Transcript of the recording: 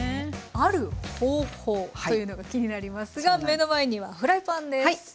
ある方法というのが気になりますが目の前にはフライパンです。